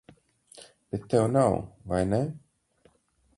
Bet tev nav, vai ne?